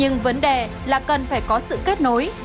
nhưng vấn đề là cần phải có sự kết nối